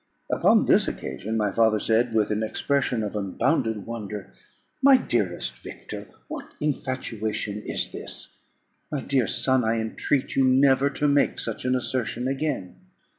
Upon this occasion my father said, with an expression of unbounded wonder, "My dearest Victor, what infatuation is this? My dear son, I entreat you never to make such an assertion again."